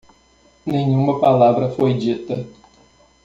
Nenhuma palavra foi dita.